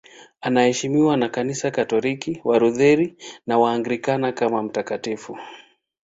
Anaheshimiwa na Kanisa Katoliki, Walutheri na Waanglikana kama mtakatifu.